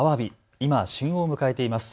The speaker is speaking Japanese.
今、旬を迎えています。